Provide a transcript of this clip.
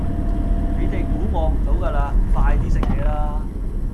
你哋估我唔到㗎嘞，快啲食嘢啦